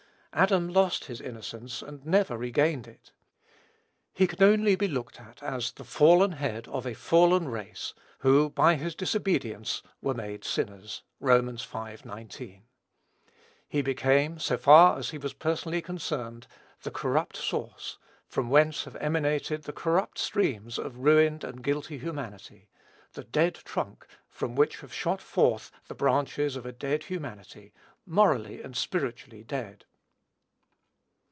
Adam lost his innocence and never regained it. He can only be looked at as the fallen head of a fallen race, who, by his "disobedience," were made "sinners." (Rom. v. 19.) He became, so far as he was personally concerned, the corrupt source, from whence have emanated the corrupt streams of ruined and guilty humanity, the dead trunk from which have shot forth the branches of a dead humanity, morally and spiritually dead.